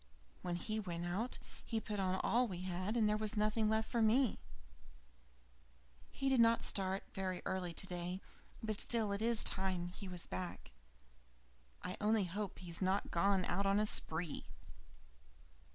When he went out he put on all we had, and there was nothing left for me. He did not start very early today, but still it's time he was back. I only hope he has not gone on the spree!"